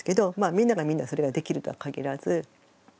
みんながみんなそれができるとは限らず。